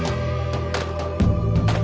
terimakasih sudah menonton